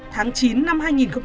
tháng chín năm hai nghìn hai mươi ba